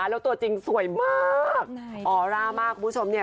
แล้วตัวจริงสวยมากออร่ามากคุณผู้ชมเนี่ย